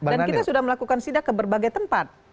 dan kita sudah melakukan sidak ke berbagai tempat